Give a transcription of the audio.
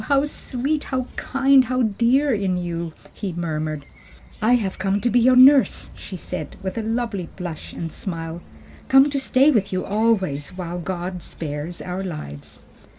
how sweet, how kind, how dear in you!" he murmured. "I have come to be your nurse," she said, with a lovely blush and smile, "come to stay with you always while God spares our lives."